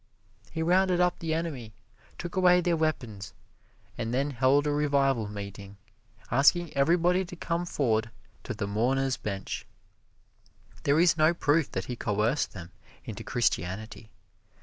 He rounded up the enemy, took away their weapons, and then held a revival meeting, asking everybody to come forward to the mourners' bench. There is no proof that he coerced them into Christianity.